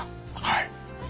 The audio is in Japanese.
はい。